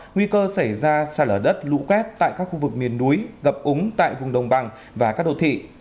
nguy cơ xảy ra xả đỡ đất lũ quét tại các khu vực miền núi gập úng tại vùng đông băng và các đồ thị